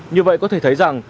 như vậy có thể thấy rằng